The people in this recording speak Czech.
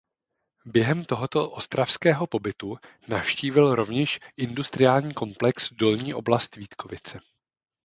Během tohoto ostravského pobytu navštívil rovněž industriální komplex Dolní oblast Vítkovice.